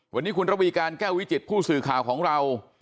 วันนี้คุณระวีการแก้ววิจิตผู้สื่อข่าวของเรา